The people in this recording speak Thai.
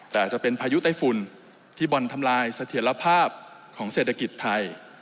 แต่อาจจะเป็นพายุไต้ฝุ่นที่บอลทำลายเสถียรภาพของเศรษฐกิจไทย